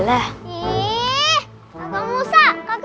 nah nah karim ladyermo